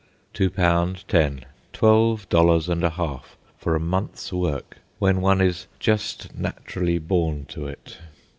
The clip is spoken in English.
Two pound ten—twelve dollars and a half—for a month's work when one is "jest nat'rally born to it!"